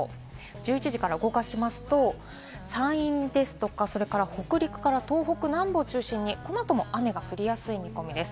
１１時から動かしますと、山陰ですとか、それから北陸から東北南部を中心にこのあとも雨が降りやすい見込みです。